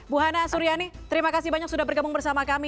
bu hana suryani terima kasih banyak sudah bergabung bersama kami